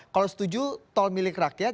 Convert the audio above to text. kalau setuju tol milik rakyat